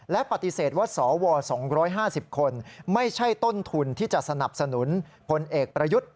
และปฏิเสธว่าสว๒๕๐คนไม่ใช่ต้นทุนที่จะสนับสนุนพลเอกประยุทธ์